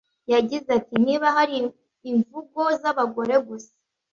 yagize ati “Niba hari imvugo z’abagore gusa